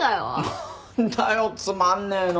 何だよつまんねえの！